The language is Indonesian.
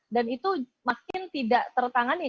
dan itu makin tidak tertanggung jawab